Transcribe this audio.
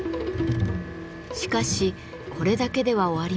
しかしこれだけでは終わりません。